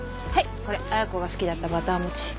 これ彩子が好きだったバター餅。